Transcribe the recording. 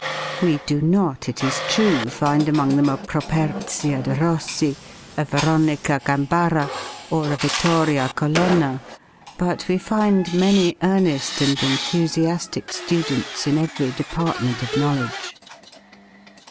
We do not, it is true, find among them a Properzia de Rossi, a Veronica Gambara, or a Vittoria Colonna; but we find many earnest and enthusiastic students in every department of knowledge.